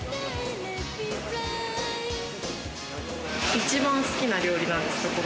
一番好きな料理なんですか？